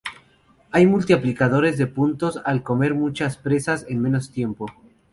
Hay multiplicadores de puntos al comer muchas presas en menos tiempo.